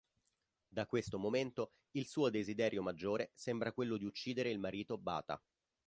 Da questo momento il suo desiderio maggiore sembra quello di uccidere il marito Bata.